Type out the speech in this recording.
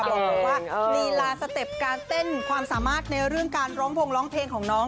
บอกเลยว่าลีลาสเต็ปการเต้นความสามารถในเรื่องการร้องพงร้องเพลงของน้อง